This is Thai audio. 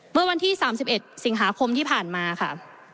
เมื่อวันที่๓๑สิงหาคมที่ผ่านมาค่ะ